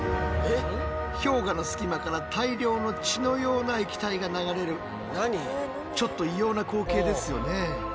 氷河の隙間から大量の血のような液体が流れるちょっと異様な光景ですよね？